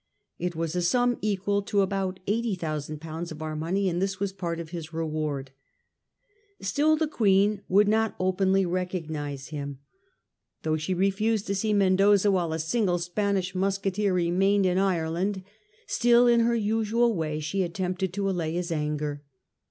It was a sum equal to about eighty thousand pounds of our money, and this was part of his reward. Still the Queen would not openly recognise him. VII RECEPTION m LONDON 91 Though she refused to see Mendoza while a single Spanish musketeer remained in Ireland, still in her usual way she attempted to allay his anger.